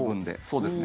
そうですね。